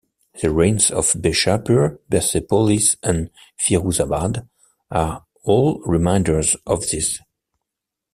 The ruins of Bishapur, Persepolis, and Firouzabad are all reminders of this.